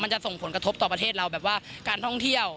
จะส่งผลกระทบต่อประเทศเราแบบว่าการท่องเที่ยว